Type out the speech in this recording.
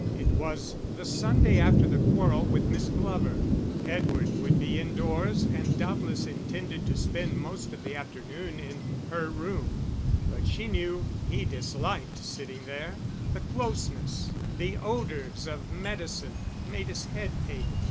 It was the Sunday after the quarrel with Miss Glover; Edward would be indoors and doubtless intended to spend most of the afternoon in her room, but she knew he disliked sitting there; the closeness, the odours of medicine, made his head ache.